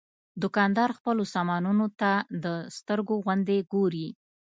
دوکاندار خپلو سامانونو ته د سترګو غوندې ګوري.